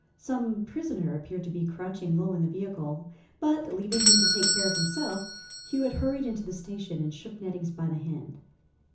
Some prisoner appeared to be crouching low in the vehicle, but, leaving him to take care of himself, Hewitt hurried into the station and shook Nettings by the hand.